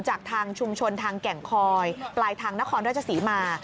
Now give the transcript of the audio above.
จากทางชุมชนทางแก่งคอยปลายทางนครราชศรีมา